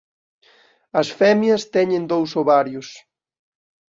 As femias teñen dous ovarios.